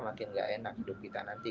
makin gak enak hidup kita nanti